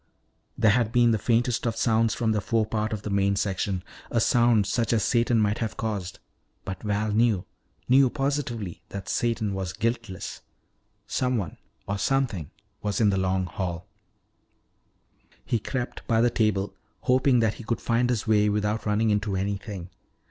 There had been the faintest of sounds from the forepart of the main section, a sound such as Satan might have caused. But Val knew knew positively that Satan was guiltless. Someone or something was in the Long Hall. He crept by the table, hoping that he could find his way without running into anything.